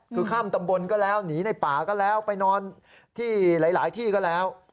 คือข้ามตำบลก็แล้วหนีในป่าก็แล้วไปนอนที่หลายที่ก็แล้ว